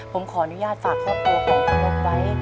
ผมขออนุญาตฝากครอบครัวของคุณนบไว้